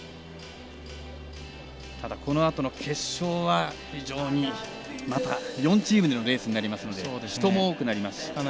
ただ、このあとの決勝は非常に、また４チームでのレースになりますので人も多くなりますし。